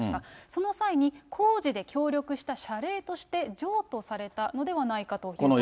その際に、工事で協力した謝礼として、譲渡されたのではないかということなんですね。